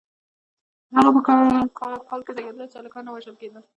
هغه په هغه کال کې زیږیدلی و چې هلکان نه وژل کېدل.